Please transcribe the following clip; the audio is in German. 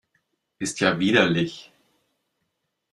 Ist ja widerlich!